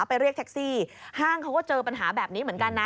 เรียกแท็กซี่ห้างเขาก็เจอปัญหาแบบนี้เหมือนกันนะ